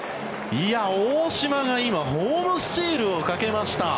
いや、大島が今ホームスチールをかけました。